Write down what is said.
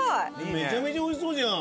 めちゃめちゃおいしそうじゃん！